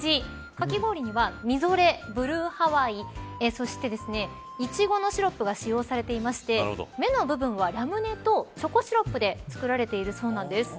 かき氷にはみぞれブルーハワイそして、いちごのシロップが使用されていまして目の部分はラムネとチョコシロップで作られているそうなんです。